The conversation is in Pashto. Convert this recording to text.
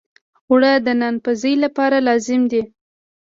اوړه د نان پزی لپاره لازمي دي